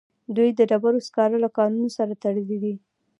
دوی د ډبرو سکارو له کانونو سره تړلي دي